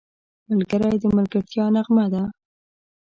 ملګری د ملګرتیا نغمه ده